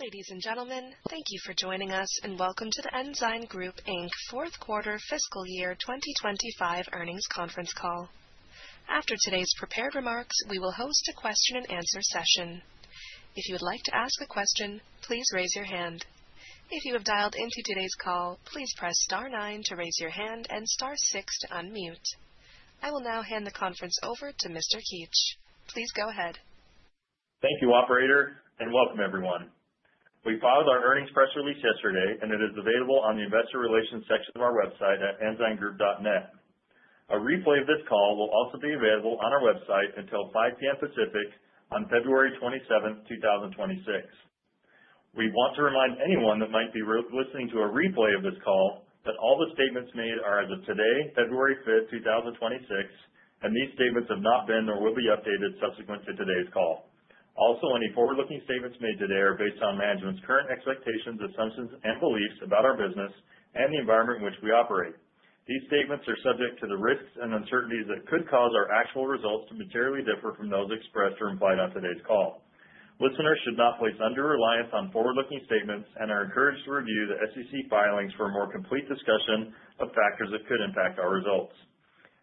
Ladies and gentlemen, thank you for joining us, and welcome to The Ensign Group, Inc. fourth quarter fiscal year 2025 earnings conference call. After today's prepared remarks, we will host a question and answer session. If you would like to ask a question, please raise your hand. If you have dialed into today's call, please press star nine to raise your hand and star six to unmute. I will now hand the conference over to Mr. Keetch. Please go ahead. Thank you, operator, and welcome everyone. We filed our earnings press release yesterday, and it is available on the investor relations section of our website at ensigngroup.net. A replay of this call will also be available on our website until 5:00 P.M. Pacific on February 27th, 2026. We want to remind anyone that might be re-listening to a replay of this call that all the statements made are as of today, February 5th, 2026, and these statements have not been nor will be updated subsequent to today's call. Also, any forward-looking statements made today are based on management's current expectations, assumptions, and beliefs about our business and the environment in which we operate. These statements are subject to the risks and uncertainties that could cause our actual results to materially differ from those expressed or implied on today's call. Listeners should not place undue reliance on forward-looking statements and are encouraged to review the SEC filings for a more complete discussion of factors that could impact our results.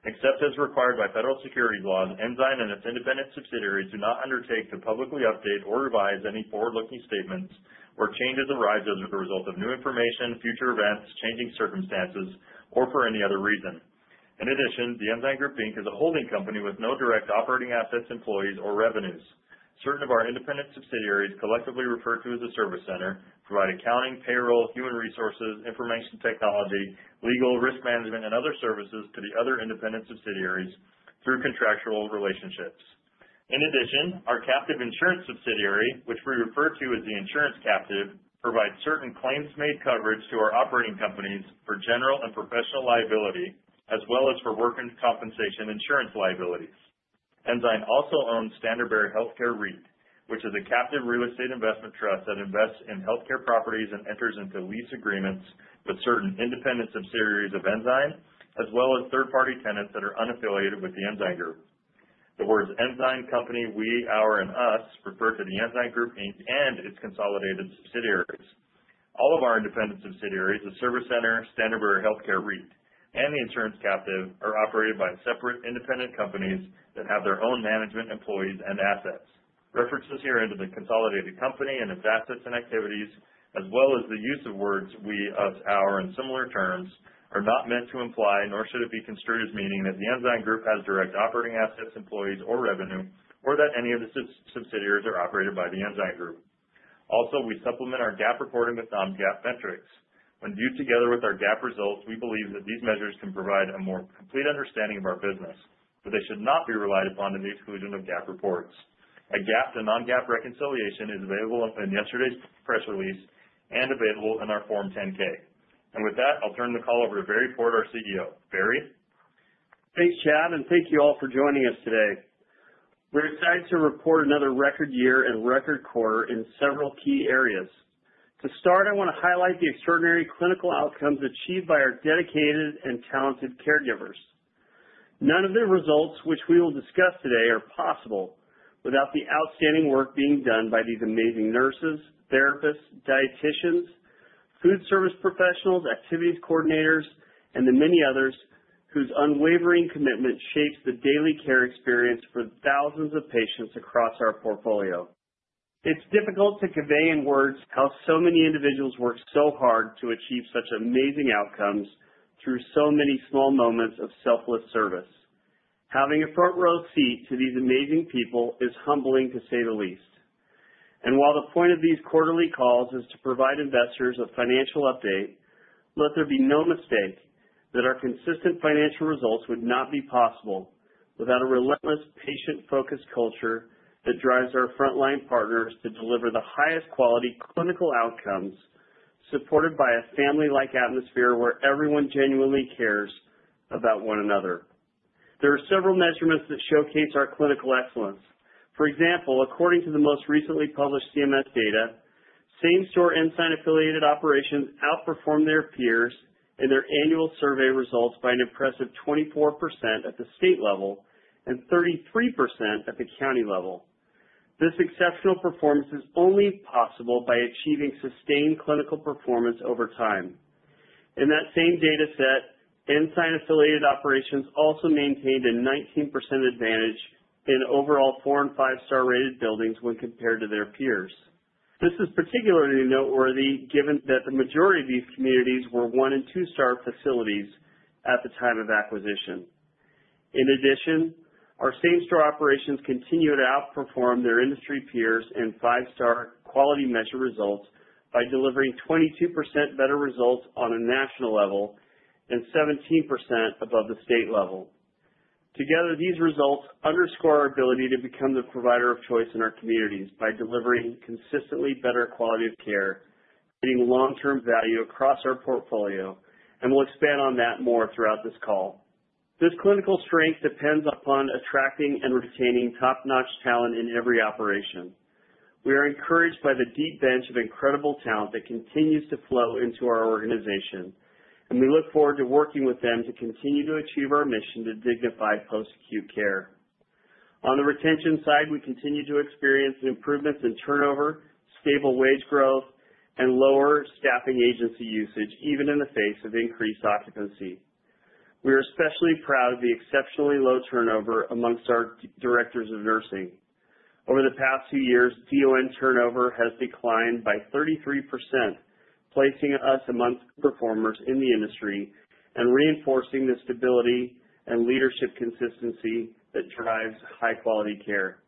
Except as required by federal securities laws, Ensign and its independent subsidiaries do not undertake to publicly update or revise any forward-looking statements where changes arise as a result of new information, future events, changing circumstances, or for any other reason. In addition, The Ensign Group, Inc. is a holding company with no direct operating assets, employees, or revenues. Certain of our independent subsidiaries, collectively referred to as a Service Center, provide accounting, payroll, human resources, information technology, legal, risk management, and other services to the other independent subsidiaries through contractual relationships. In addition, our captive insurance subsidiary, which we refer to as the insurance captive, provides certain claims-made coverage to our operating companies for general and professional liability, as well as for workers' compensation insurance liabilities. Ensign also owns Standard Bearer Healthcare REIT, which is a captive real estate investment trust that invests in healthcare properties and enters into lease agreements with certain independent subsidiaries of Ensign, as well as third-party tenants that are unaffiliated with the Ensign Group. The words Ensign Company, we, our, and us refer to the Ensign Group, Inc. and its consolidated subsidiaries. All of our independent subsidiaries, the Service Center, Standard Bearer Healthcare REIT, and the insurance captive, are operated by separate independent companies that have their own management, employees, and assets. References herein to the consolidated company and its assets and activities, as well as the use of words we, us, our, and similar terms, are not meant to imply, nor should it be construed as meaning, that the Ensign Group has direct operating assets, employees, or revenue, or that any of the subsidiaries are operated by the Ensign Group. Also, we supplement our GAAP reporting with non-GAAP metrics. When viewed together with our GAAP results, we believe that these measures can provide a more complete understanding of our business, but they should not be relied upon to the exclusion of GAAP reports. A GAAP to non-GAAP reconciliation is available in yesterday's press release and available in our Form 10-K. And with that, I'll turn the call over to Barry Port, our CEO. Barry? Thanks, Chad, and thank you all for joining us today. We're excited to report another record year and record quarter in several key areas. To start, I wanna highlight the extraordinary clinical outcomes achieved by our dedicated and talented caregivers. None of the results which we will discuss today are possible without the outstanding work being done by these amazing nurses, therapists, dieticians, food service professionals, activities coordinators, and the many others whose unwavering commitment shapes the daily care experience for thousands of patients across our portfolio. It's difficult to convey in words how so many individuals work so hard to achieve such amazing outcomes through so many small moments of selfless service. Having a front row seat to these amazing people is humbling, to say the least. While the point of these quarterly calls is to provide investors a financial update, let there be no mistake that our consistent financial results would not be possible without a relentless, patient-focused culture that drives our frontline partners to deliver the highest quality clinical outcomes, supported by a family-like atmosphere where everyone genuinely cares about one another. There are several measurements that showcase our clinical excellence. For example, according to the most recently published CMS data, same-store Ensign affiliate operations outperformed their peers in their annual survey results by an impressive 24% at the state level and 33% at the county level. This exceptional performance is only possible by achieving sustained clinical performance over time. In that same dataset, Ensign-affiliated operations also maintained a 19% advantage in overall four and five-star rated buildings when compared to their peers. This is particularly noteworthy, given that the majority of these communities were one- and two-star facilities at the time of acquisition. In addition, our same-store operations continued to outperform their industry peers in five-star quality measure results by delivering 22% better results on a national level and 17% above the state level. Together, these results underscore our ability to become the provider of choice in our communities by delivering consistently better quality of care, getting long-term value across our portfolio, and we'll expand on that more throughout this call. This clinical strength depends upon attracting and retaining top-notch talent in every operation. We are encouraged by the deep bench of incredible talent that continues to flow into our organization, and we look forward to working with them to continue to achieve our mission to dignify post-acute care. On the retention side, we continue to experience improvements in turnover, stable wage growth, and lower staffing agency usage, even in the face of increased occupancy. We are especially proud of the exceptionally low turnover among our directors of nursing. Over the past few years, DON turnover has declined by 33%, placing us among performers in the industry and reinforcing the stability and leadership consistency that drives high-quality care.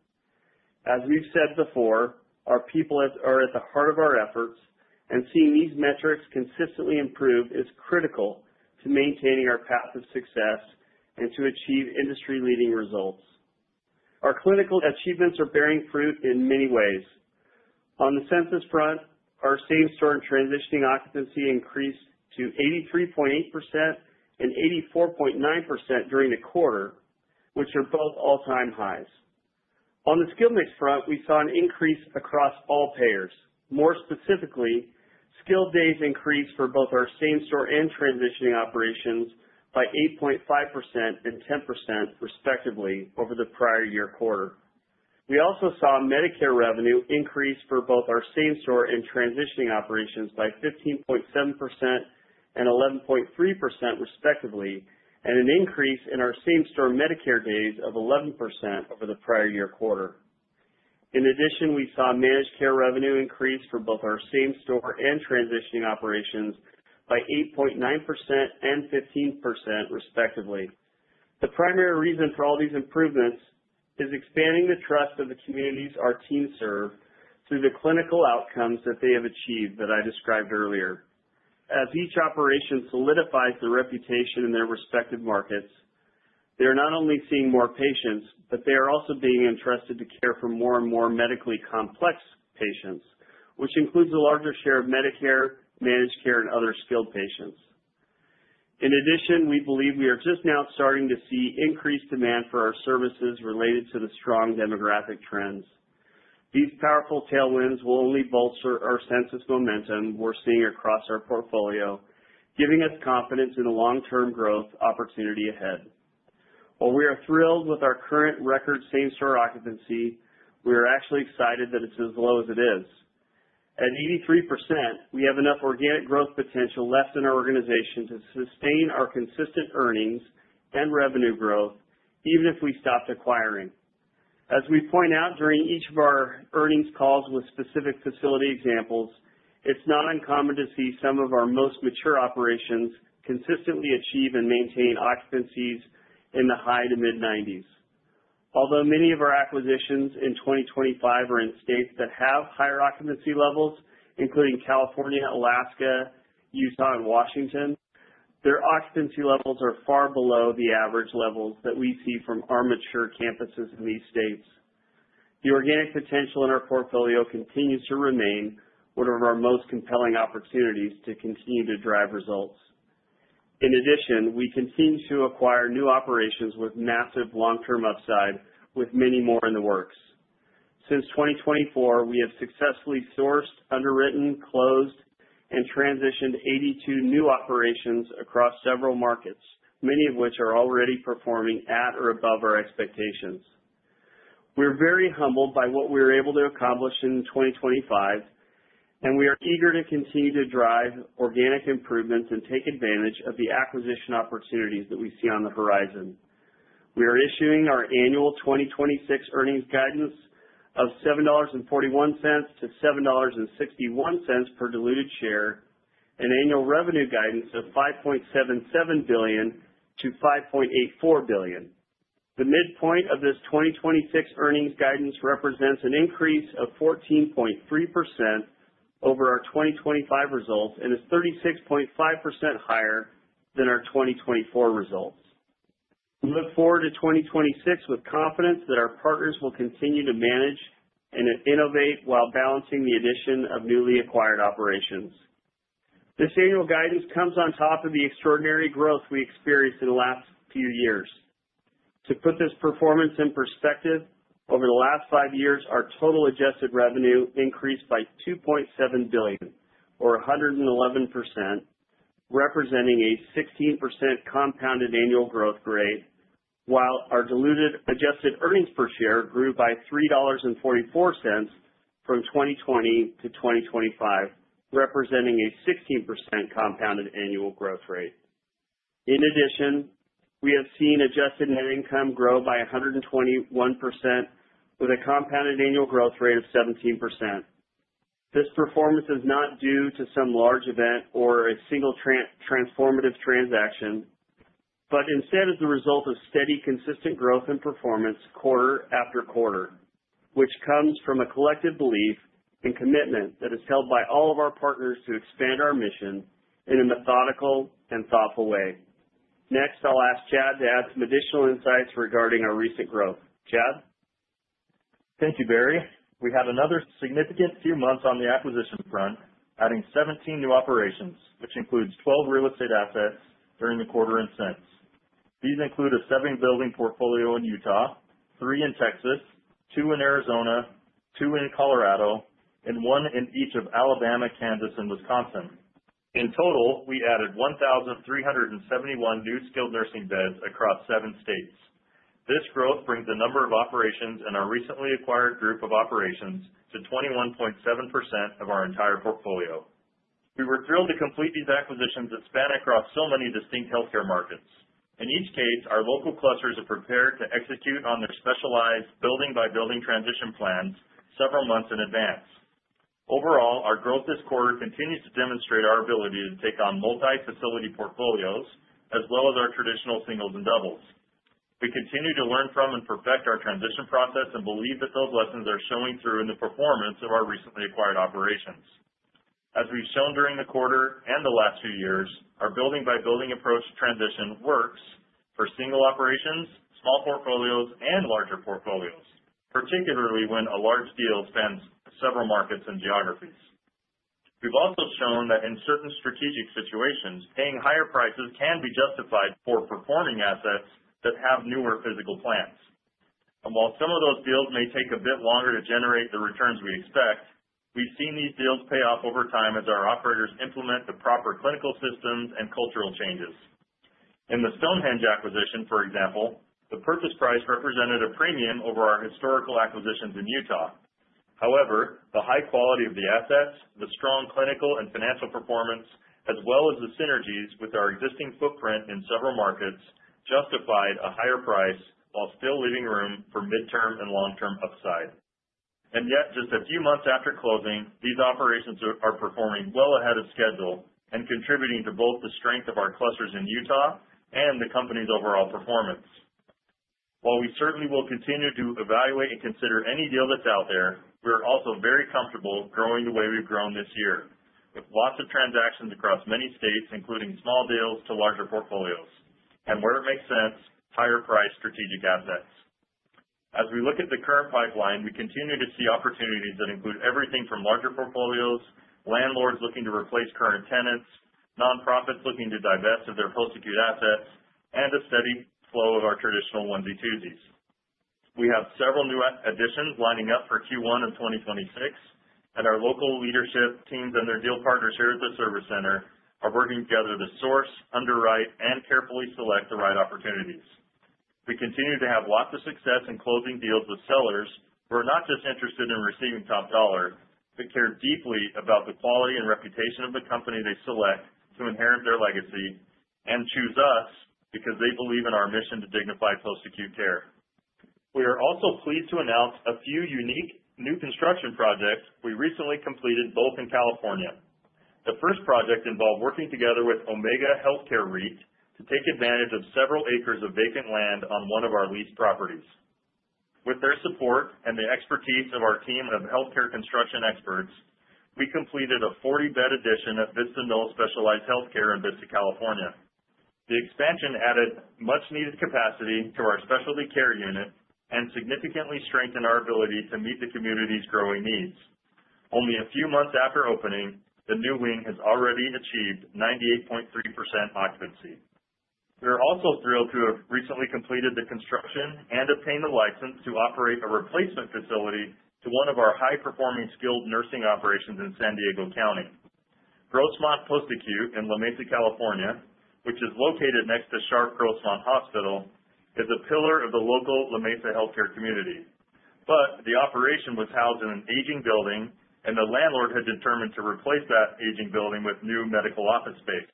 As we've said before, our people are at the heart of our efforts, and seeing these metrics consistently improve is critical to maintaining our path of success and to achieve industry-leading results. Our clinical achievements are bearing fruit in many ways. On the census front, our same-store and transitioning occupancy increased to 83.8% and 84.9% during the quarter, which are both all-time highs. On the skill mix front, we saw an increase across all payers. More specifically, skilled days increased for both our same-store and transitioning operations by 8.5% and 10%, respectively, over the prior year quarter. We also saw Medicare revenue increase for both our same-store and transitioning operations by 15.7% and 11.3%, respectively, and an increase in our same-store Medicare days of 11% over the prior year quarter. In addition, we saw managed care revenue increase for both our same-store and transitioning operations by 8.9% and 15%, respectively. The primary reason for all these improvements is expanding the trust of the communities our teams serve through the clinical outcomes that they have achieved that I described earlier. As each operation solidifies their reputation in their respective markets, they are not only seeing more patients, but they are also being entrusted to care for more and more medically complex patients, which includes a larger share of Medicare, managed care, and other skilled patients. In addition, we believe we are just now starting to see increased demand for our services related to the strong demographic trends. These powerful tailwinds will only bolster our census momentum we're seeing across our portfolio, giving us confidence in the long-term growth opportunity ahead. While we are thrilled with our current record same-store occupancy, we are actually excited that it's as low as it is. At 83%, we have enough organic growth potential left in our organization to sustain our consistent earnings and revenue growth, even if we stopped acquiring. As we point out during each of our earnings calls with specific facility examples, it's not uncommon to see some of our most mature operations consistently achieve and maintain occupancies in the high to mid-90s. Although many of our acquisitions in 2025 are in states that have higher occupancy levels, including California, Alaska, Utah, and Washington, their occupancy levels are far below the average levels that we see from our mature campuses in these states. The organic potential in our portfolio continues to remain one of our most compelling opportunities to continue to drive results. In addition, we continue to acquire new operations with massive long-term upside, with many more in the works. Since 2024, we have successfully sourced, underwritten, closed, and transitioned 82 new operations across several markets, many of which are already performing at or above our expectations. We're very humbled by what we were able to accomplish in 2025, and we are eager to continue to drive organic improvements and take advantage of the acquisition opportunities that we see on the horizon. We are issuing our annual 2026 earnings guidance of $7.41-$7.61 per diluted share, and annual revenue guidance of $5.77 billion-$5.84 billion. The midpoint of this 2026 earnings guidance represents an increase of 14.3% over our 2025 results and is 36.5% higher than our 2024 results. We look forward to 2026 with confidence that our partners will continue to manage and innovate while balancing the addition of newly acquired operations. This annual guidance comes on top of the extraordinary growth we experienced in the last few years. To put this performance in perspective, over the last five years, our total adjusted revenue increased by $2.7 billion, or 111%, representing a 16% compounded annual growth rate, while our diluted adjusted earnings per share grew by $3.44 from 2020 to 2025, representing a 16% compounded annual growth rate. In addition, we have seen adjusted net income grow by 121%, with a compounded annual growth rate of 17%. This performance is not due to some large event or a single transformative transaction, but instead is the result of steady, consistent growth and performance quarter after quarter, which comes from a collective belief and commitment that is held by all of our partners to expand our mission in a methodical and thoughtful way. Next, I'll ask Chad to add some additional insights regarding our recent growth. Chad? Thank you, Barry. We had another significant few months on the acquisition front, adding 17 new operations, which includes 12 real estate assets during the quarter ends. These include a seven-building portfolio in Utah, three in Texas, two in Arizona, two in Colorado, and one in each of Alabama, Kansas, and Wisconsin. In total, we added 1,371 new skilled nursing beds across seven states. This growth brings the number of operations in our recently acquired group of operations to 21.7% of our entire portfolio. We were thrilled to complete these acquisitions that span across so many distinct healthcare markets. In each case, our local clusters are prepared to execute on their specialized building-by-building transition plans several months in advance. Overall, our growth this quarter continues to demonstrate our ability to take on multi-facility portfolios, as well as our traditional singles and doubles. We continue to learn from and perfect our transition process and believe that those lessons are showing through in the performance of our recently acquired operations. As we've shown during the quarter and the last few years, our building-by-building approach to transition works for single operations, small portfolios, and larger portfolios, particularly when a large deal spans several markets and geographies. We've also shown that in certain strategic situations, paying higher prices can be justified for performing assets that have newer physical plants. And while some of those deals may take a bit longer to generate the returns we expect, we've seen these deals pay off over time as our operators implement the proper clinical systems and cultural changes. In the Stonehenge acquisition, for example, the purchase price represented a premium over our historical acquisitions in Utah. However, the high quality of the assets, the strong clinical and financial performance, as well as the synergies with our existing footprint in several markets, justified a higher price while still leaving room for midterm and long-term upside. And yet, just a few months after closing, these operations are performing well ahead of schedule and contributing to both the strength of our clusters in Utah and the company's overall performance. While we certainly will continue to evaluate and consider any deal that's out there, we are also very comfortable growing the way we've grown this year, with lots of transactions across many states, including small deals to larger portfolios, and where it makes sense, higher priced strategic assets. As we look at the current pipeline, we continue to see opportunities that include everything from larger portfolios, landlords looking to replace current tenants, nonprofits looking to divest of their post-acute assets, and a steady flow of our traditional onesie-twosies. We have several new additions lining up for Q1 in 2026, and our local leadership teams and their deal partners here at the Service Center are working together to source, underwrite, and carefully select the right opportunities. We continue to have lots of success in closing deals with sellers who are not just interested in receiving top dollar, but care deeply about the quality and reputation of the company they select to inherit their legacy and choose us because they believe in our mission to dignify post-acute care. We are also pleased to announce a few unique new construction projects we recently completed, both in California. The first project involved working together with Omega Healthcare REIT to take advantage of several acres of vacant land on one of our leased properties. With their support and the expertise of our team of healthcare construction experts, we completed a 40-bed addition at Vista Knoll Specialized Healthcare in Vista, California. The expansion added much needed capacity to our specialty care unit and significantly strengthened our ability to meet the community's growing needs. Only a few months after opening, the new wing has already achieved 98.3% occupancy. We are also thrilled to have recently completed the construction and obtained the license to operate a replacement facility to one of our high-performing skilled nursing operations in San Diego County. Grossmont Post Acute in La Mesa, California, which is located next to Sharp Grossmont Hospital, is a pillar of the local La Mesa healthcare community. But the operation was housed in an aging building, and the landlord had determined to replace that aging building with new medical office space.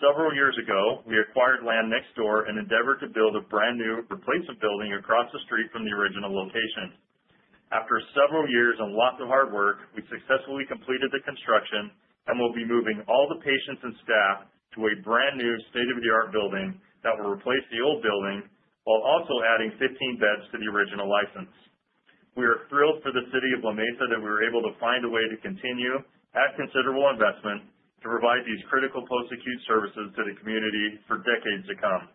Several years ago, we acquired land next door and endeavored to build a brand new replacement building across the street from the original location. After several years and lots of hard work, we successfully completed the construction and will be moving all the patients and staff to a brand new state-of-the-art building that will replace the old building while also adding 15 beds to the original license. We are thrilled for the city of La Mesa that we were able to find a way to continue, at considerable investment, to provide these critical post-acute services to the community for decades to come.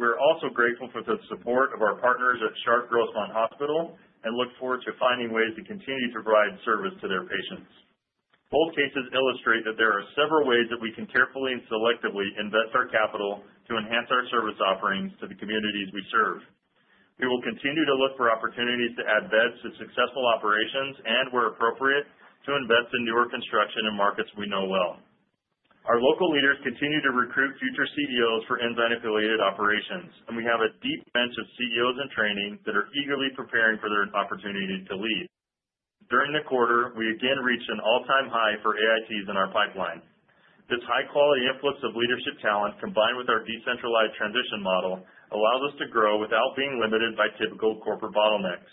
We're also grateful for the support of our partners at Sharp Grossmont Hospital and look forward to finding ways to continue to provide service to their patients. Both cases illustrate that there are several ways that we can carefully and selectively invest our capital to enhance our service offerings to the communities we serve. We will continue to look for opportunities to add beds to successful operations and, where appropriate, to invest in newer construction in markets we know well. Our local leaders continue to recruit future CEOs for Ensign-affiliated operations, and we have a deep bench of CEOs in training that are eagerly preparing for their opportunity to lead. During the quarter, we again reached an all-time high for AITs in our pipeline. This high quality influx of leadership talent, combined with our decentralized transition model, allows us to grow without being limited by typical corporate bottlenecks.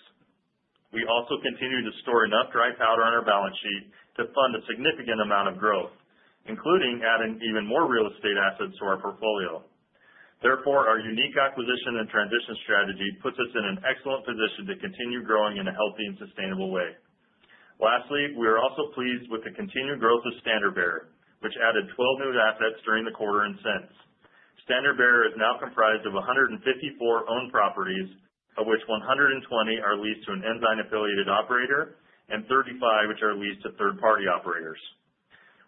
We also continue to store enough dry powder on our balance sheet to fund a significant amount of growth, including adding even more real estate assets to our portfolio. Therefore, our unique acquisition and transition strategy puts us in an excellent position to continue growing in a healthy and sustainable way. Lastly, we are also pleased with the continued growth of Standard Bearer, which added 12 new assets during the quarter and since. Standard Bearer is now comprised of 154 owned properties, of which 120 are leased to an Ensign affiliated operator and 35, which are leased to third-party operators.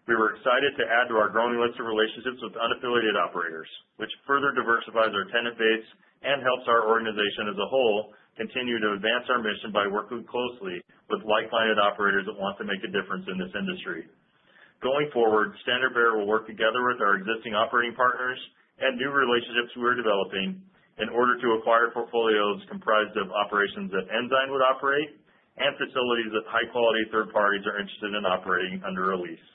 We were excited to add to our growing list of relationships with unaffiliated operators, which further diversifies our tenant base and helps our organization as a whole continue to advance our mission by working closely with like-minded operators that want to make a difference in this industry.... Going forward, Standard Bearer will work together with our existing operating partners and new relationships we're developing in order to acquire portfolios comprised of operations that Ensign would operate and facilities that high-quality third parties are interested in operating under a lease.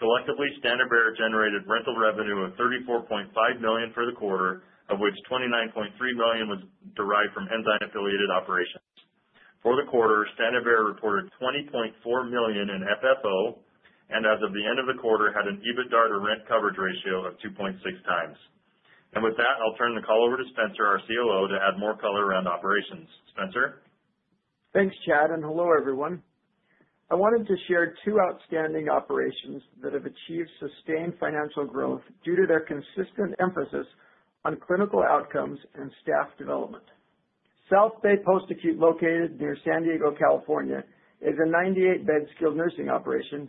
Collectively, Standard Bearer generated rental revenue of $34.5 million for the quarter, of which $29.3 million was derived from Ensign-affiliated operations. For the quarter, Standard Bearer reported $20.4 million in FFO, and as of the end of the quarter, had an EBITDA to rent coverage ratio of 2.6 times. With that, I'll turn the call over to Spencer, our COO, to add more color around operations. Spencer? Thanks, Chad, and hello, everyone. I wanted to share two outstanding operations that have achieved sustained financial growth due to their consistent emphasis on clinical outcomes and staff development. South Bay Post Acute, located near San Diego, California, is a 98-bed skilled nursing operation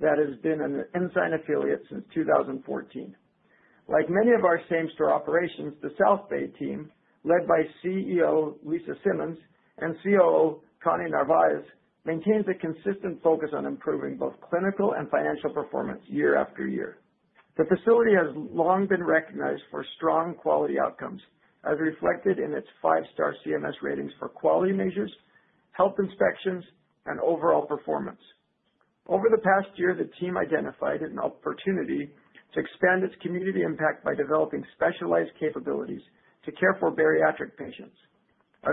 that has been an Ensign affiliate since 2014. Like many of our same store operations, the South Bay team, led by CEO Lisa Simmons and COO Connie Narvaez, maintains a consistent focus on improving both clinical and financial performance year after year. The facility has long been recognized for strong quality outcomes, as reflected in its five-star CMS ratings for quality measures, health inspections, and overall performance. Over the past year, the team identified an opportunity to expand its community impact by developing specialized capabilities to care for bariatric patients,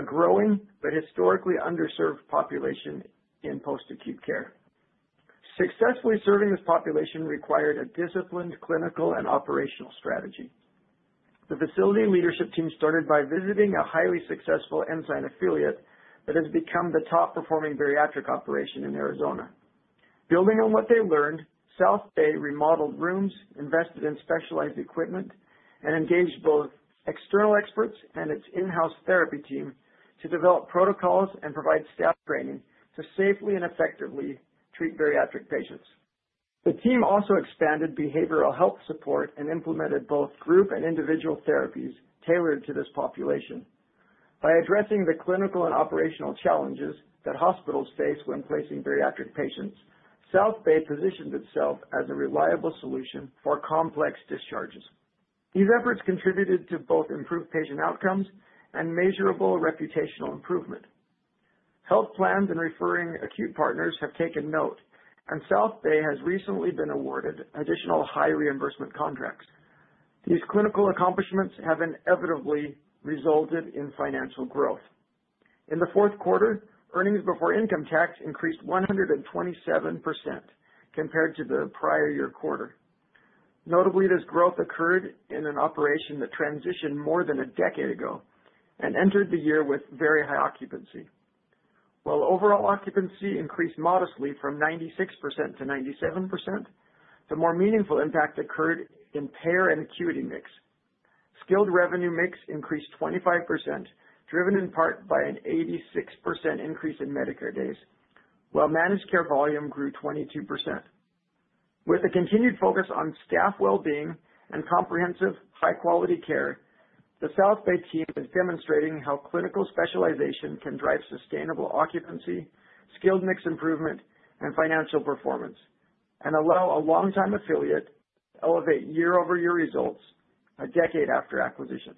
a growing but historically underserved population in post-acute care. Successfully serving this population required a disciplined, clinical, and operational strategy. The facility leadership team started by visiting a highly successful Ensign affiliate that has become the top-performing bariatric operation in Arizona. Building on what they learned, South Bay remodeled rooms, invested in specialized equipment, and engaged both external experts and its in-house therapy team to develop protocols and provide staff training to safely and effectively treat bariatric patients. The team also expanded behavioral health support and implemented both group and individual therapies tailored to this population. By addressing the clinical and operational challenges that hospitals face when placing bariatric patients, South Bay positioned itself as a reliable solution for complex discharges. These efforts contributed to both improved patient outcomes and measurable reputational improvement. Health plans and referring acute partners have taken note, and South Bay has recently been awarded additional high reimbursement contracts. These clinical accomplishments have inevitably resulted in financial growth. In the fourth quarter, earnings before income tax increased 127% compared to the prior year quarter. Notably, this growth occurred in an operation that transitioned more than a decade ago and entered the year with very high occupancy. While overall occupancy increased modestly from 96% to 97%, the more meaningful impact occurred in payer and acuity mix. Skilled revenue mix increased 25%, driven in part by an 86% increase in Medicare days, while managed care volume grew 22%. With a continued focus on staff well-being and comprehensive, high-quality care, the South Bay team is demonstrating how clinical specialization can drive sustainable occupancy, skilled mix improvement, and financial performance, and allow a long-time affiliate to elevate year-over-year results a decade after acquisition.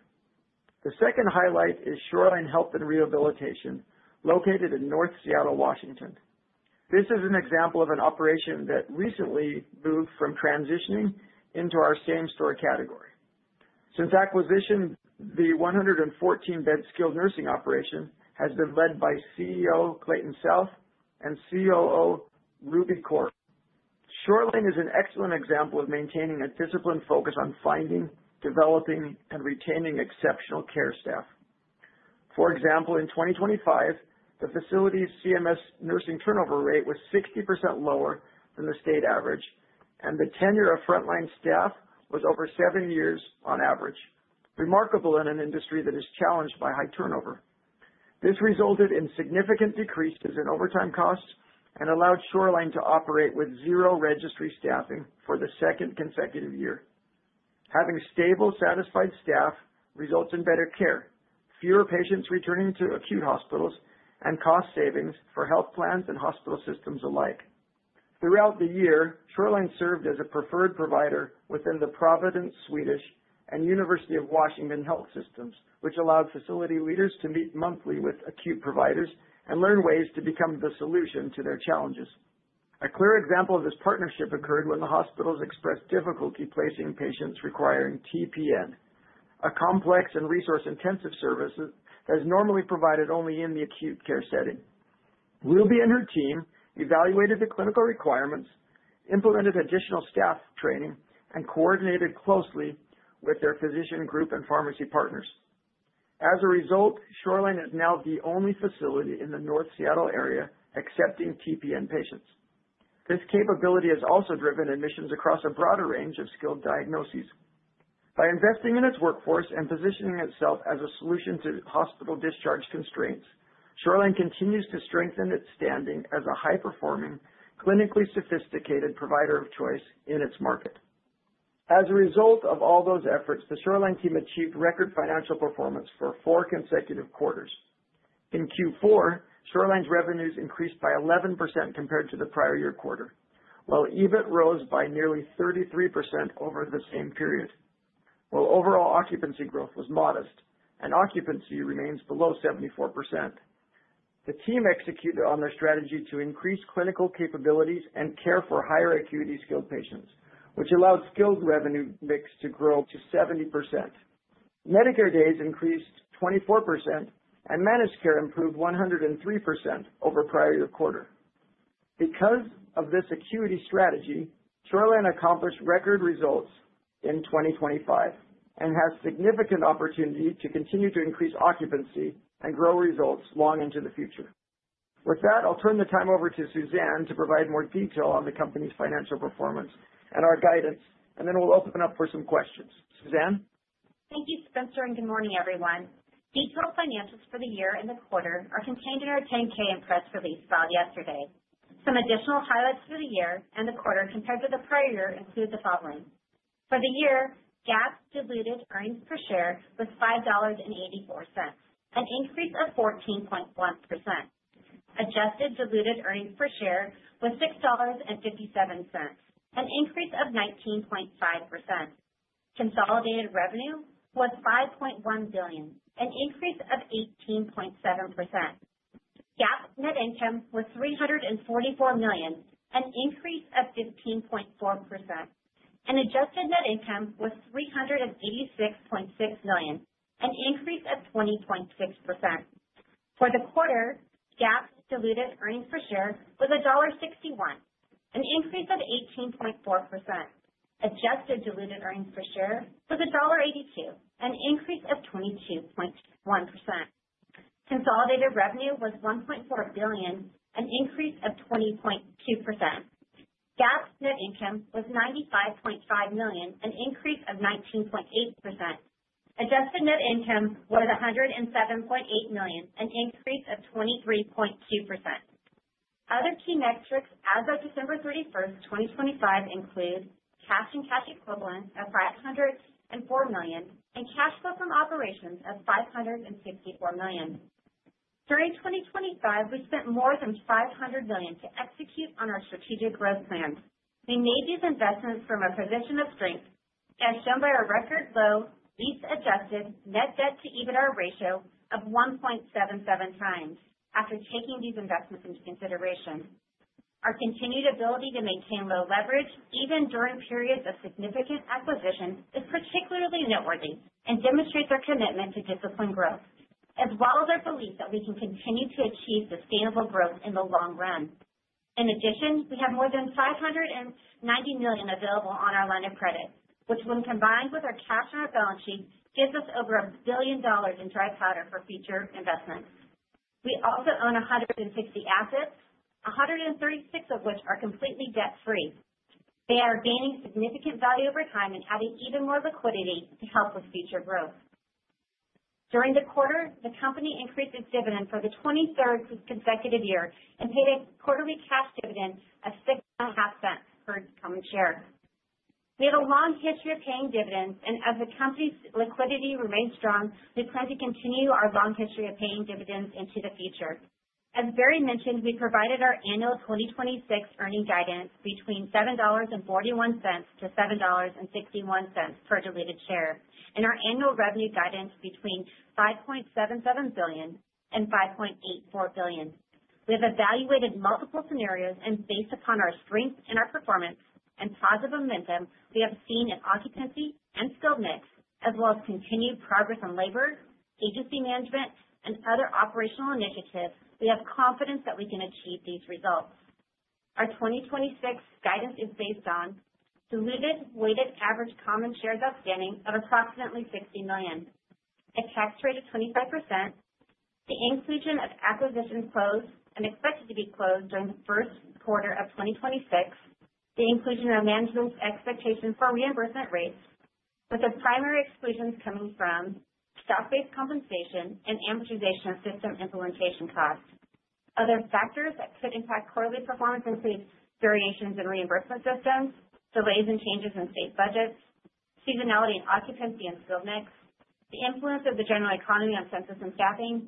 The second highlight is Shoreline Health and Rehabilitation, located in North Seattle, Washington. This is an example of an operation that recently moved from transitioning into our same store category. Since acquisition, the 114-bed skilled nursing operation has been led by CEO Clayton South and COO Ruby Corpuz. Shoreline is an excellent example of maintaining a disciplined focus on finding, developing, and retaining exceptional care staff. For example, in 2025, the facility's CMS nursing turnover rate was 60% lower than the state average, and the tenure of frontline staff was over seven years on average, remarkable in an industry that is challenged by high turnover. This resulted in significant decreases in overtime costs and allowed Shoreline to operate with zero registry staffing for the second consecutive year. Having stable, satisfied staff results in better care, fewer patients returning to acute hospitals, and cost savings for health plans and hospital systems alike. Throughout the year, Shoreline served as a preferred provider within the Providence, Swedish, and University of Washington Health Systems, which allowed facility leaders to meet monthly with acute providers and learn ways to become the solution to their challenges. A clear example of this partnership occurred when the hospitals expressed difficulty placing patients requiring TPN, a complex and resource-intensive service that is normally provided only in the acute care setting. Ruby and her team evaluated the clinical requirements, implemented additional staff training, and coordinated closely with their physician group and pharmacy partners. As a result, Shoreline is now the only facility in the North Seattle area accepting TPN patients. This capability has also driven admissions across a broader range of skilled diagnoses. By investing in its workforce and positioning itself as a solution to hospital discharge constraints, Shoreline continues to strengthen its standing as a high-performing, clinically sophisticated provider of choice in its market. As a result of all those efforts, the Shoreline team achieved record financial performance for four consecutive quarters. In Q4, Shoreline's revenues increased by 11% compared to the prior year quarter, while EBIT rose by nearly 33% over the same period. While overall occupancy growth was modest and occupancy remains below 74%, the team executed on their strategy to increase clinical capabilities and care for higher acuity skilled patients, which allowed skilled revenue mix to grow to 70%. Medicare days increased 24%, and managed care improved 103% over prior year quarter. Because of this acuity strategy, Shoreline accomplished record results in 2025 and has significant opportunity to continue to increase occupancy and grow results long into the future. With that, I'll turn the time over to Suzanne to provide more detail on the company's financial performance and our guidance, and then we'll open up for some questions. Suzanne? Thank you, Spencer, and good morning, everyone. Detailed finances for the year and the quarter are contained in our 10-K and press release filed yesterday. Some additional highlights for the year and the quarter compared to the prior year include the following: For the year, GAAP diluted earnings per share was $5.84, an increase of 14.1%. Adjusted diluted earnings per share was $6.57, an increase of 19.5%. Consolidated revenue was $5.1 billion, an increase of 18.7%. GAAP net income was $344 million, an increase of 15.4%, and adjusted net income was $386.6 million, an increase of 20.6%. For the quarter, GAAP diluted earnings per share was $1.61, an increase of 18.4%. Adjusted diluted earnings per share was $1.82, an increase of 22.1%. Consolidated revenue was $1.4 billion, an increase of 20.2%. GAAP net income was $95.5 million, an increase of 19.8%. Adjusted net income was $107.8 million, an increase of 23.2%. Other key metrics as of December 31, 2025, include cash and cash equivalents of $504 million and cash flow from operations of $564 million. During 2025, we spent more than $500 million to execute on our strategic growth plans. We made these investments from a position of strength, as shown by our record low, lease-adjusted net debt to EBITDA ratio of 1.77 times after taking these investments into consideration. Our continued ability to maintain low leverage, even during periods of significant acquisition, is particularly noteworthy and demonstrates our commitment to disciplined growth, as well as our belief that we can continue to achieve sustainable growth in the long run. In addition, we have more than $590 million available on our line of credit, which, when combined with our cash on our balance sheet, gives us over $1 billion in dry powder for future investments. We also own 160 assets, 136 of which are completely debt free. They are gaining significant value over time and adding even more liquidity to help with future growth. During the quarter, the company increased its dividend for the 23rd consecutive year and paid a quarterly cash dividend of $0.065 per common share. We have a long history of paying dividends, and as the company's liquidity remains strong, we plan to continue our long history of paying dividends into the future. As Barry mentioned, we provided our annual 2026 earnings guidance between $7.41 and $7.61 per diluted share, and our annual revenue guidance between $5.77 billion and $5.84 billion. We have evaluated multiple scenarios, and based upon our strength and our performance and positive momentum we have seen in occupancy and skilled mix, as well as continued progress on labor, agency management, and other operational initiatives, we have confidence that we can achieve these results. Our 2026 guidance is based on diluted weighted average common shares outstanding of approximately 60 million, a tax rate of 25%, the inclusion of acquisitions closed and expected to be closed during the first quarter of 2026, the inclusion of management's expectations for reimbursement rates, with the primary exclusions coming from stock-based compensation and amortization of system implementation costs. Other factors that could impact quarterly performance include variations in reimbursement systems, delays and changes in state budgets, seasonality and occupancy and skilled mix, the influence of the general economy on census and staffing,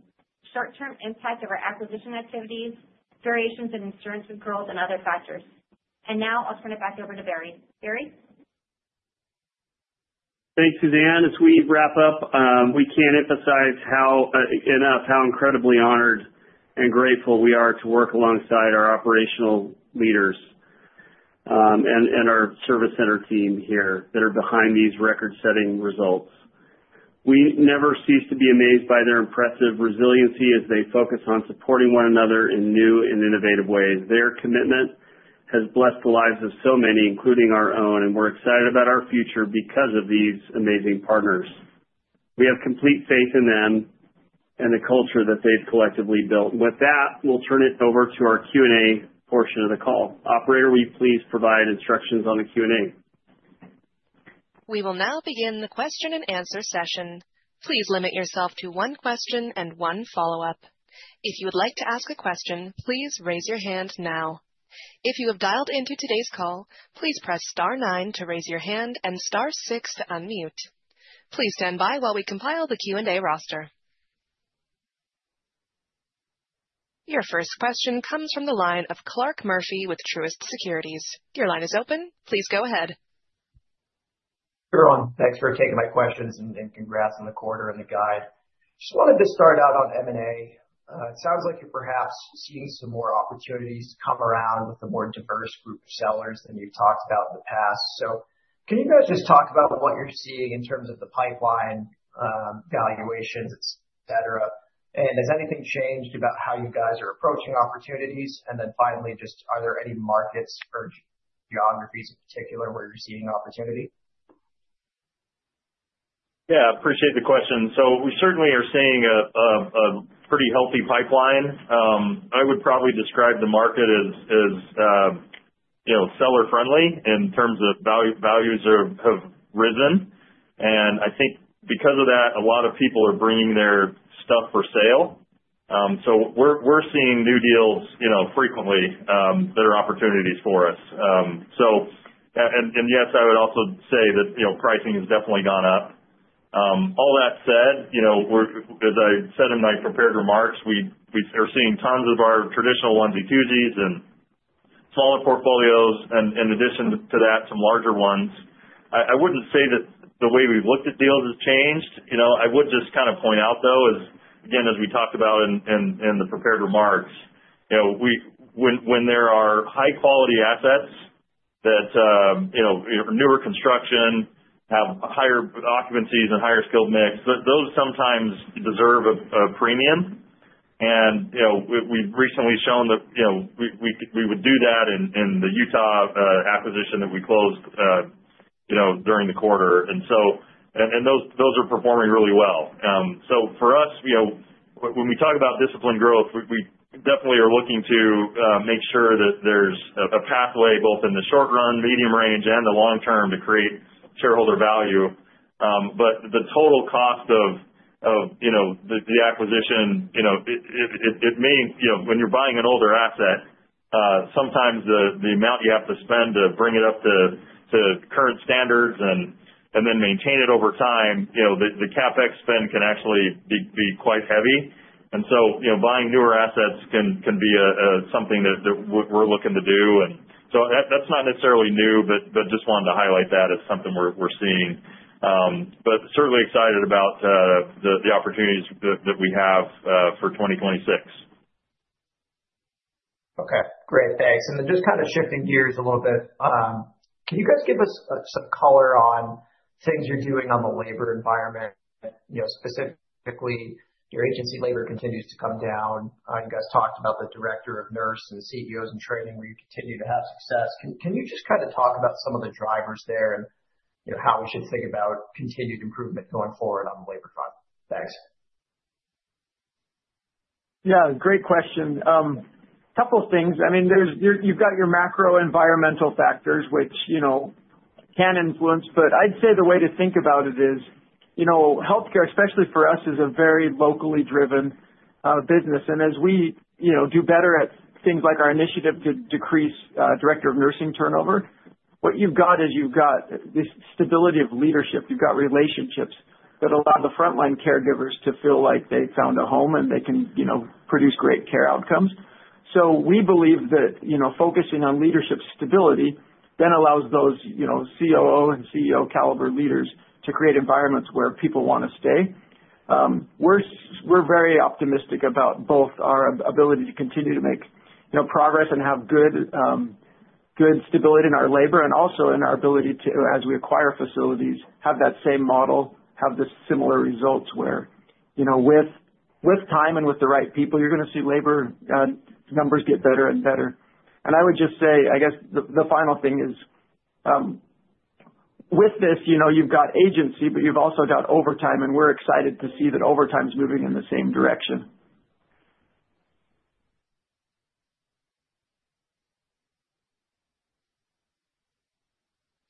short-term impact of our acquisition activities, variations in insurance referrals, and other factors. And now I'll turn it back over to Barry. Barry? Thanks, Suzanne. As we wrap up, we can't emphasize how enough, how incredibly honored and grateful we are to work alongside our operational leaders, and our Service Center team here that are behind these record-setting results. We never cease to be amazed by their impressive resiliency as they focus on supporting one another in new and innovative ways. Their commitment has blessed the lives of so many, including our own, and we're excited about our future because of these amazing partners. We have complete faith in them and the culture that they've collectively built. With that, we'll turn it over to our Q&A portion of the call. Operator, will you please provide instructions on the Q&A? We will now begin the question-and-answer session. Please limit yourself to one question and one follow-up. If you would like to ask a question, please raise your hand now. If you have dialed into today's call, please press star nine to raise your hand and star six to unmute. Please stand by while we compile the Q&A roster. Your first question comes from the line of Clarke Murphy with Truist Securities. Your line is open. Please go ahead. Sure, [Ron]. Thanks for taking my questions, and, and congrats on the quarter and the guide. Just wanted to start out on M&A. It sounds like you're perhaps seeing some more opportunities come around with a more diverse group of sellers than you've talked about in the past. So can you guys just talk about what you're seeing in terms of the pipeline, valuations, et cetera? And has anything changed about how you guys are approaching opportunities? And then finally, just are there any markets or geographies in particular where you're seeing opportunity? Yeah, appreciate the question. So we certainly are seeing a pretty healthy pipeline. I would probably describe the market as, you know, seller-friendly in terms of values have risen, and I think because of that, a lot of people are bringing their stuff for sale. So we're seeing new deals, you know, frequently, that are opportunities for us. So and yes, I would also say that, you know, pricing has definitely gone up. All that said, you know, we're... As I said in my prepared remarks, we are seeing tons of our traditional onesie-twosies and smaller portfolios, and in addition to that, some larger ones. I wouldn't say that the way we've looked at deals has changed. You know, I would just kind of point out, though, is, again, as we talked about in the prepared remarks, you know, when there are high-quality assets that, you know, newer construction, have higher occupancies and higher skilled mix, those sometimes deserve a premium. And, you know, we've recently shown that, you know, we would do that in the Utah acquisition that we closed, you know, during the quarter. And so, those are performing really well. So for us, you know, when we talk about disciplined growth, we definitely are looking to make sure that there's a pathway, both in the short run, medium range, and the long term, to create shareholder value. But the total cost of, you know, the acquisition, you know, it means, you know, when you're buying an older asset, sometimes the amount you have to spend to bring it up to current standards and then maintain it over time, you know, the CapEx spend can actually be quite heavy. And so, you know, buying newer assets can be a something that we're looking to do. And so that's not necessarily new, but just wanted to highlight that as something we're seeing. But certainly excited about the opportunities that we have for 2026. Okay, great. Thanks. Then just kind of shifting gears a little bit, can you guys give us some color on things you're doing on the labor environment? You know, specifically, your agency labor continues to come down. I know you guys talked about the Director of Nursing and CEOs in training, where you continue to have success. Can you just kind of talk about some of the drivers there, and, you know, how we should think about continued improvement going forward on the labor front? Thanks. Yeah, great question. Couple things. I mean, there you've got your macro environmental factors, which, you know, can influence, but I'd say the way to think about it is, you know, healthcare, especially for us, is a very locally driven business. And as we, you know, do better at things like our initiative to decrease Director of Nursing turnover, what you've got is you've got this stability of leadership. You've got relationships that allow the frontline caregivers to feel like they've found a home, and they can, you know, produce great care outcomes. So we believe that, you know, focusing on leadership stability then allows those, you know, COO and CEO caliber leaders to create environments where people wanna stay. We're very optimistic about both our ability to continue to make, you know, progress and have good, good stability in our labor and also in our ability to, as we acquire facilities, have that same model, have the similar results where, you know, with time and with the right people, you're gonna see labor numbers get better and better. And I would just say, I guess the final thing is, with this, you know, you've got agency, but you've also got overtime, and we're excited to see that overtime is moving in the same direction.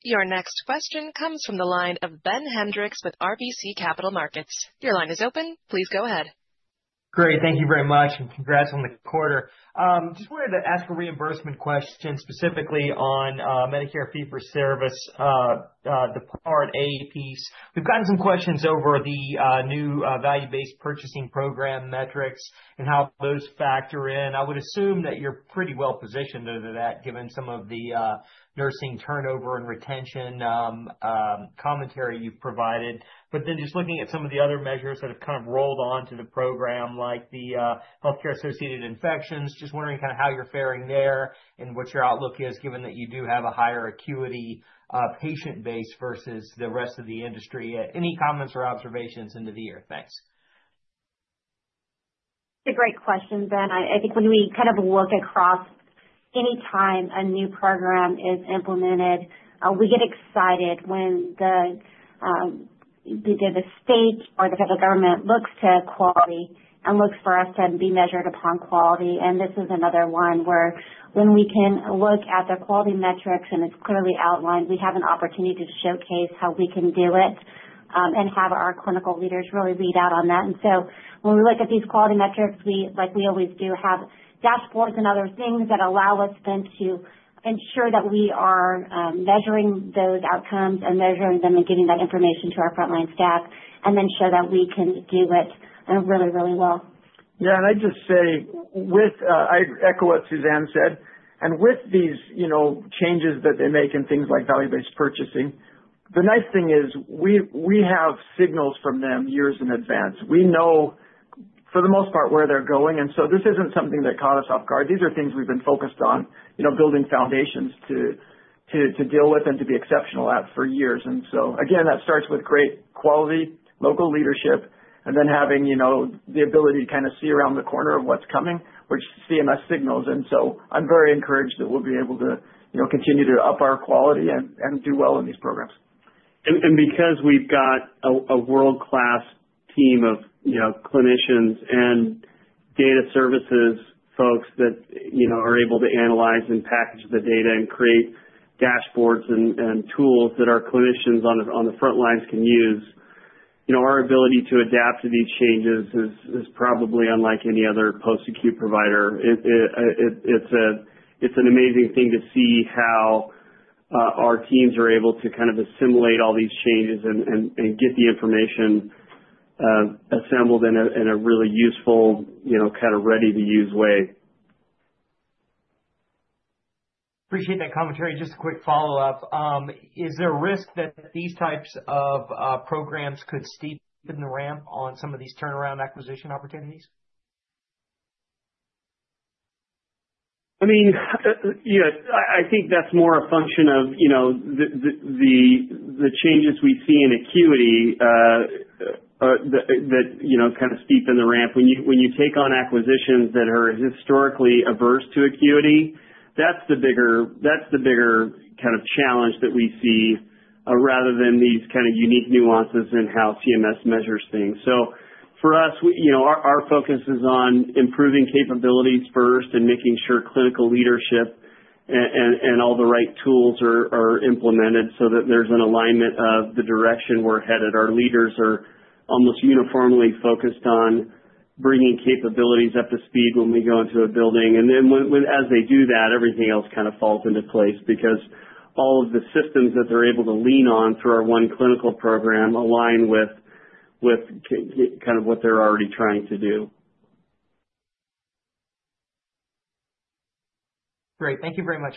Your next question comes from the line of Ben Hendrix with RBC Capital Markets. Your line is open. Please go ahead. Great. Thank you very much, and congrats on the quarter. Just wanted to ask a reimbursement question, specifically on Medicare fee for service, the Part A piece. We've gotten some questions over the new value-based purchasing program metrics and how those factor in. I would assume that you're pretty well positioned under that, given some of the nursing turnover and retention commentary you've provided. But then just looking at some of the other measures that have kind of rolled on to the program, like the healthcare-associated infections, just wondering kind of how you're faring there and what your outlook is, given that you do have a higher acuity patient base versus the rest of the industry. Any comments or observations into the year? Thanks. It's a great question, Ben. I think when we kind of look across any time a new program is implemented, we get excited when either the state or the federal government looks to quality and looks for us to be measured upon quality, and this is another one where when we can look at the quality metrics, and it's clearly outlined, we have an opportunity to showcase how we can do it, and have our clinical leaders really lead out on that. And so when we look at these quality metrics, we, like we always do, have dashboards and other things that allow us then to ensure that we are measuring those outcomes and measuring them and getting that information to our frontline staff, and then show that we can do it, really, really well. Yeah, and I'd just say with, I echo what Suzanne said, and with these, you know, changes that they make in things like Value-Based Purchasing, the nice thing is we have signals from them years in advance. We know, for the most part, where they're going, and so this isn't something that caught us off guard. These are things we've been focused on, you know, building foundations to deal with and to be exceptional at for years. And so again, that starts with great quality, local leadership, and then having, you know, the ability to kind of see around the corner of what's coming, which CMS signals. And so I'm very encouraged that we'll be able to, you know, continue to up our quality and do well in these programs. Because we've got a world-class team of, you know, clinicians and data services folks that, you know, are able to analyze and package the data and create dashboards and tools that our clinicians on the front lines can use, you know, our ability to adapt to these changes is probably unlike any other post-acute provider. It's an amazing thing to see how our teams are able to kind of assimilate all these changes and get the information assembled in a really useful, you know, kind of ready-to-use way. Appreciate that commentary. Just a quick follow-up. Is there a risk that these types of programs could steepen the ramp on some of these turnaround acquisition opportunities? I mean, you know, I think that's more a function of, you know, the changes we see in acuity, that you know, kind of steepen the ramp. When you take on acquisitions that are historically averse to acuity, that's the bigger kind of challenge that we see, rather than these kind of unique nuances in how CMS measures things. So for us, you know, our focus is on improving capabilities first and making sure clinical leadership, and all the right tools are implemented so that there's an alignment of the direction we're headed. Our leaders are almost uniformly focused on bringing capabilities up to speed when we go into a building. And then when as they do that, everything else kind of falls into place because all of the systems that they're able to lean on through our ONEclinical program align with kind of what they're already trying to do. Great. Thank you very much.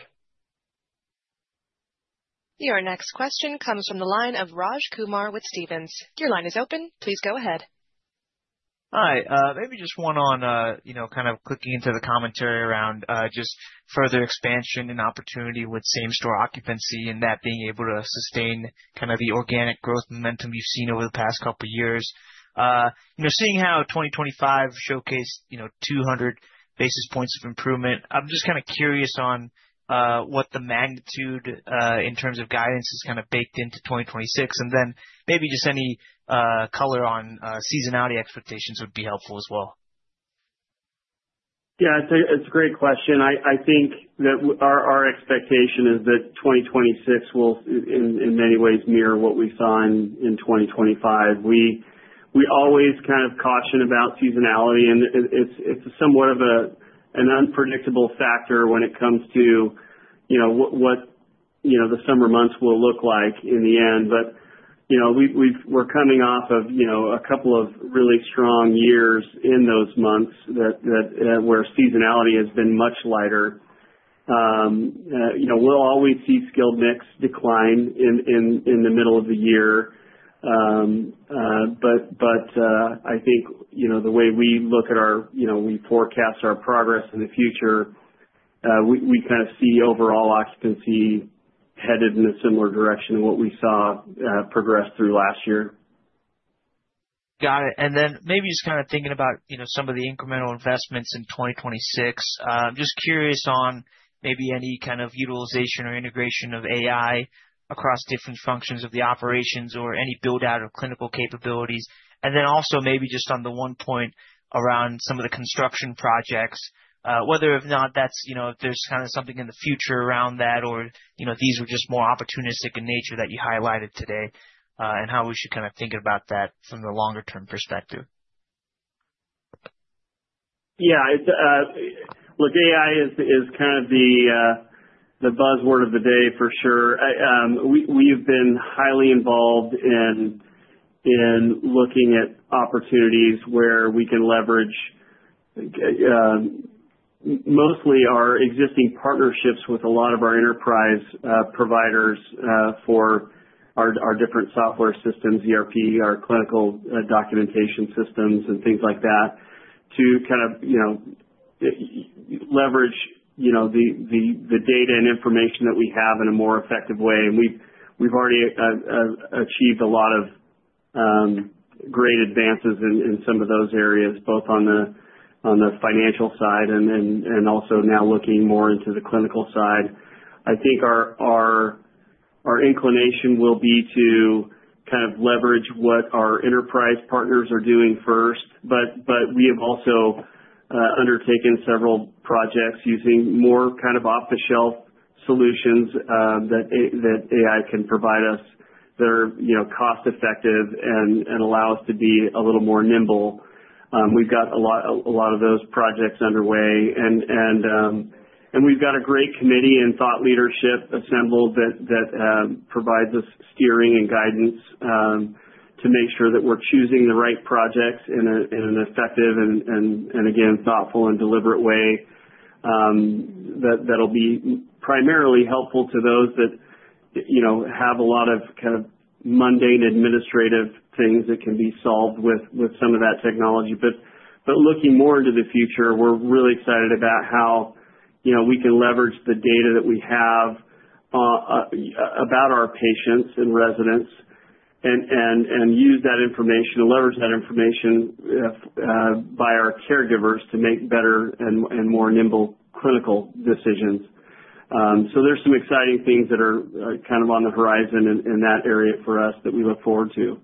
Your next question comes from the line of Raj Kumar with Stephens. Your line is open. Please go ahead. Hi, maybe just one on, you know, kind of clicking into the commentary around, just further expansion and opportunity with same-store occupancy and that being able to sustain kind of the organic growth momentum you've seen over the past couple years. You know, seeing how 2025 showcased, you know, 200 basis points of improvement, I'm just kind of curious on, what the magnitude, in terms of guidance is kind of baked into 2026. And then maybe just any color on seasonality expectations would be helpful as well. Yeah, it's a great question. I think that our expectation is that 2026 will in many ways mirror what we saw in 2025. We always kind of caution about seasonality, and it's somewhat of an unpredictable factor when it comes to, you know, what the summer months will look like in the end. But, you know, we're coming off of, you know, a couple of really strong years in those months that where seasonality has been much lighter. You know, we'll always see skilled mix decline in the middle of the year. But I think, you know, the way we look at our, you know, we forecast our progress in the future, we kind of see overall occupancy headed in a similar direction to what we saw, progress through last year. Got it. And then maybe just kind of thinking about, you know, some of the incremental investments in 2026. Just curious on maybe any kind of utilization or integration of AI across different functions of the operations or any build-out of clinical capabilities. And then also, maybe just on the one point around some of the construction projects, whether or not that's, you know, if there's kind of something in the future around that or, you know, these were just more opportunistic in nature that you highlighted today, and how we should kind of think about that from the longer term perspective. Yeah, it's, look, AI is kind of the buzzword of the day for sure. We, we've been highly involved in looking at opportunities where we can leverage mostly our existing partnerships with a lot of our enterprise providers for our different software systems, ERP, our clinical documentation systems and things like that, to kind of, you know, leverage, you know, the data and information that we have in a more effective way. And we've already achieved a lot of great advances in some of those areas, both on the financial side and also now looking more into the clinical side. I think our inclination will be to kind of leverage what our enterprise partners are doing first, but we have also undertaken several projects using more kind of off-the-shelf solutions that AI can provide us that are, you know, cost effective and allow us to be a little more nimble. We've got a lot of those projects underway, and we've got a great committee and thought leadership assembled that provides us steering and guidance to make sure that we're choosing the right projects in an effective and again, thoughtful and deliberate way that that'll be primarily helpful to those that, you know, have a lot of kind of mundane administrative things that can be solved with some of that technology. But looking more into the future, we're really excited about how, you know, we can leverage the data that we have about our patients and residents, and use that information to leverage that information by our caregivers to make better and more nimble clinical decisions. So there's some exciting things that are kind of on the horizon in that area for us that we look forward to.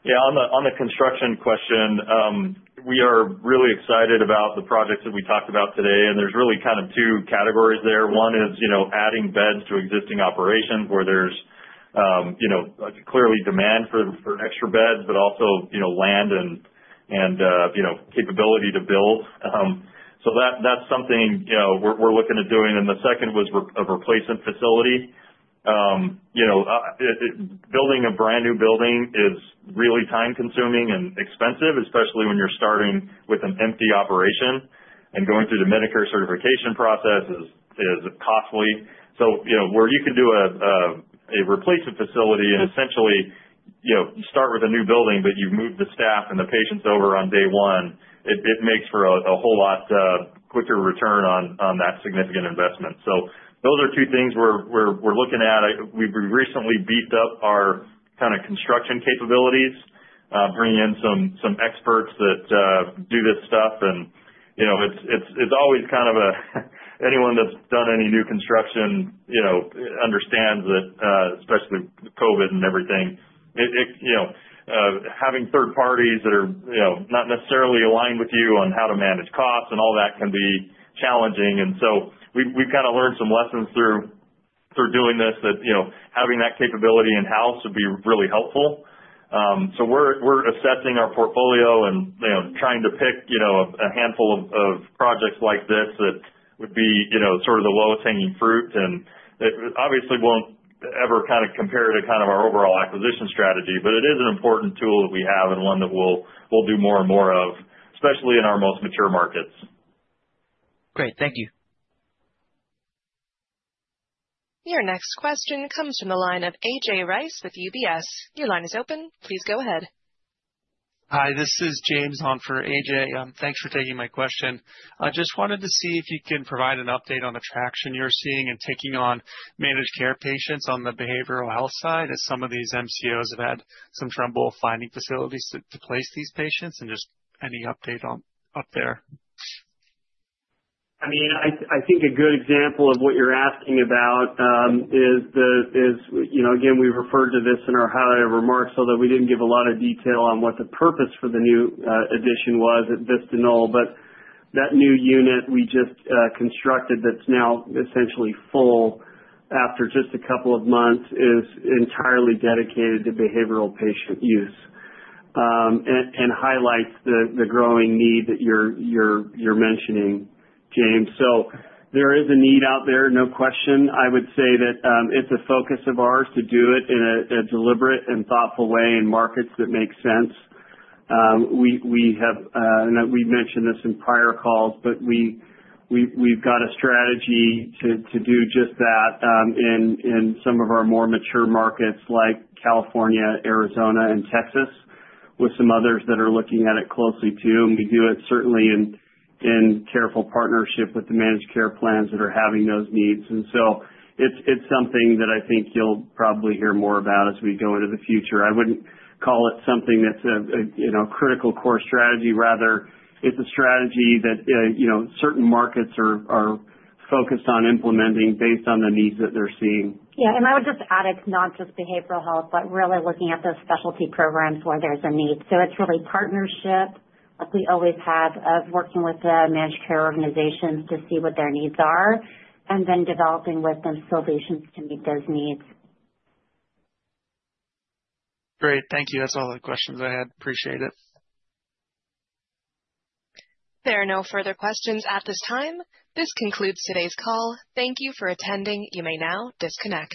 Yeah, on the, on the construction question, we are really excited about the projects that we talked about today, and there's really kind of two categories there. One is, you know, adding beds to existing operations where there's, you know, clearly demand for, for extra beds, but also, you know, land and, and, you know, capability to build. So that's something, you know, we're, we're looking at doing. And the second was a replacement facility. You know, building a brand-new building is really time-consuming and expensive, especially when you're starting with an empty operation, and going through the Medicare certification process is, is costly. So, you know, where you can do a replacement facility and essentially, you know, start with a new building, but you've moved the staff and the patients over on day one, it makes for a whole lot quicker return on that significant investment. So those are two things we're looking at. We've recently beefed up our kind of construction capabilities, bringing in some experts that do this stuff. And, you know, it's always kind of anyone that's done any new construction, you know, understands that, especially with COVID and everything, it, you know, having third parties that are, you know, not necessarily aligned with you on how to manage costs and all that can be challenging. So we've kind of learned some lessons through doing this, that, you know, having that capability in-house would be really helpful. So we're assessing our portfolio and, you know, trying to pick, you know, a handful of projects like this that would be, you know, sort of the lowest hanging fruit. It obviously won't ever kind of compare to kind of our overall acquisition strategy, but it is an important tool that we have and one that we'll do more and more of, especially in our most mature markets. Great. Thank you. Your next question comes from the line of A.J. Rice with UBS. Your line is open. Please go ahead. Hi, this is James on for A.J. Thanks for taking my question. I just wanted to see if you can provide an update on the traction you're seeing in taking on managed care patients on the behavioral health side, as some of these MCOs have had some trouble finding facilities to place these patients, and just any update on up there? I mean, I think a good example of what you're asking about is, you know, again, we referred to this in our highlight remarks, although we didn't give a lot of detail on what the purpose for the new addition was at Vista Knoll. But that new unit we just constructed, that's now essentially full after just a couple of months, is entirely dedicated to behavioral patient use. And highlights the growing need that you're mentioning, James. So there is a need out there, no question. I would say that it's a focus of ours to do it in a deliberate and thoughtful way in markets that make sense. We have, and we've mentioned this in prior calls, but we've got a strategy to do just that, in some of our more mature markets like California, Arizona and Texas, with some others that are looking at it closely too. And we do it certainly in careful partnership with the managed care plans that are having those needs. And so it's something that I think you'll probably hear more about as we go into the future. I wouldn't call it something that's a, you know, critical core strategy. Rather, it's a strategy that, you know, certain markets are focused on implementing based on the needs that they're seeing. Yeah, and I would just add, it's not just behavioral health, but really looking at those specialty programs where there's a need. So it's really partnership, like we always have, of working with the managed care organizations to see what their needs are, and then developing with them solutions to meet those needs. Great. Thank you. That's all the questions I had. Appreciate it. There are no further questions at this time. This concludes today's call. Thank you for attending. You may now disconnect.